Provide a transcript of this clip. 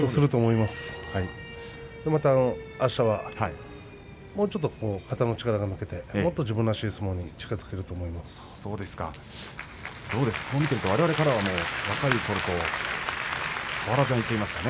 また、あしたはもうちょっと肩の力が抜けてもっと自分らしい相撲にわれわれからは若いころと変わらずと言っていいですかね。